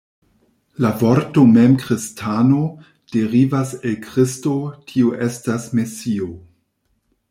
La vorto mem kristano, derivas el Kristo, tio estas, Mesio.